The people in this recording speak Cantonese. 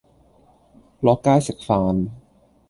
落街食飯